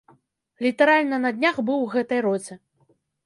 Літаральна на днях быў у гэтай роце.